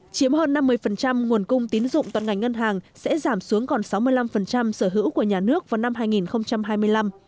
chiếm hơn năm mươi nguồn cung tín dụng toàn ngành ngân hàng sẽ giảm xuống còn sáu mươi năm sở hữu của nhà nước vào năm hai nghìn hai mươi năm